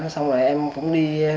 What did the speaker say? xong rồi em cũng